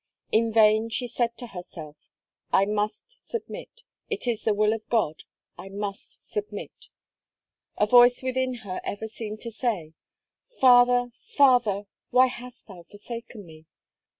In vain she said to herself: "I must submit it is the will of God, I must submit." A voice within her ever seemed to say: "Father, Father why hast thou forsaken me!"